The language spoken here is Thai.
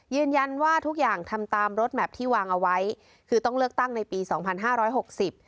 ยืนยันว่าทุกอย่างทำตามรถแมพที่วางเอาไว้คือต้องเลือกตั้งในปีสองพันห้าร้อยหกสิบ